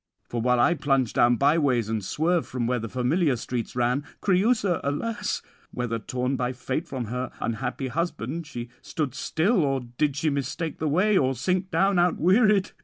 For while I plunge down byways, and swerve from where the familiar streets ran, Creüsa, alas! whether, torn by fate from her unhappy husband, she stood still, or did she mistake the way, or sink down outwearied?